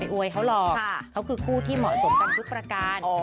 อวยเขาหรอกเขาคือคู่ที่เหมาะสมกันทุกประการ